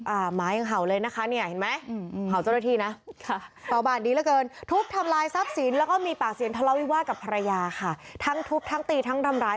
อ่าหมายังเห่าเลยนะคะเนี่ยเห็นไหม